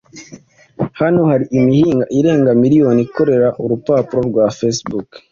Hano hari imihinga irenga miliyoni ikoreha Urupapuro rwa Facebook